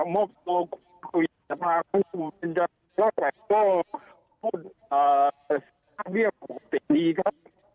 มีครับ